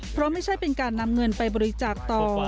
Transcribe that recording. เพราะไม่ใช่เป็นการนำเงินไปบริจาคต่อ